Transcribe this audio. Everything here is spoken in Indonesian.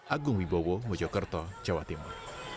agung wibowo mojokerto jawa timur